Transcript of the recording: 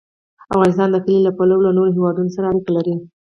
افغانستان د کلي له پلوه له نورو هېوادونو سره اړیکې لري.